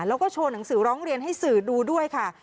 แล้วก็โชว์หนังสือร้องเรียนให้สื่อดูด้วยค่ะ